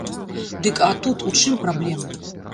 Дык а тут у чым праблемы?